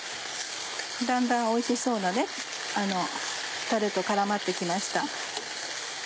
だんだんおいしそうなたれと絡まって来ました。